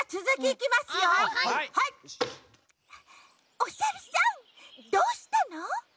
おサルさんどうしたの？